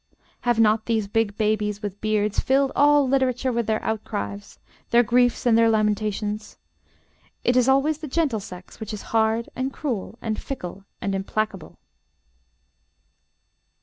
Have not these big babies with beards filled all literature with their outcries, their griefs and their lamentations? It is always the gentle sex which is hard and cruel and fickle and implacable.